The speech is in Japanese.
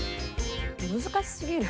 難しすぎる。